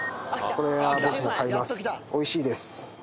おいしいです。